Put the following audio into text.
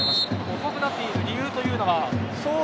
遅くなっている理由というのは？